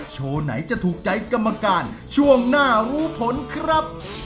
โชว์ไหนจะถูกใจกรรมการช่วงหน้ารู้ผลครับ